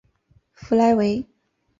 弗莱维。